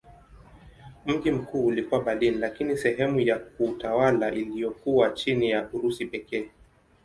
Mji mkuu ulikuwa Berlin lakini sehemu ya kiutawala iliyokuwa chini ya Urusi pekee.